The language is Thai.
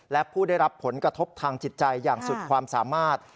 และผู้ได้รับผลกระทบทางจิตใจอย่างสุดความสามารถ